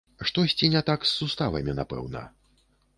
Штосьці не так з суставамі, напэўна.